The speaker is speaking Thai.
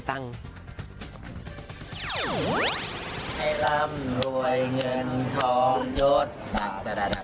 จริงด้วยสวยจัง